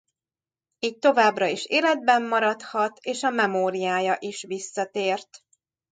Így továbbra is életben maradhat és a memóriája is visszatért.